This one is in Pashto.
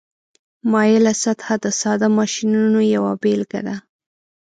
مایله سطحه د ساده ماشینونو یوه بیلګه ده.